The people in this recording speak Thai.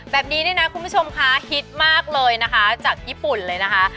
แบบนี้เนี่ยนะคุณผู้ชมคะฮิตมากเลยนะคะจากญี่ปุ่นเลยนะคะ